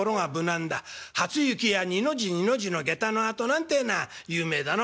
『初雪や二の字二の字の下駄のあと』なんてえのは有名だな」。